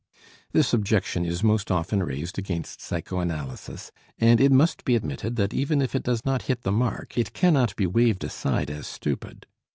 This objection is most often raised against psychoanalysis, and it must be admitted that even if it does not hit the mark, it cannot be waved aside as stupid.